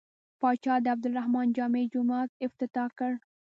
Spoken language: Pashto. پاچا د عبدالرحمن جامع جومات افتتاح کړ.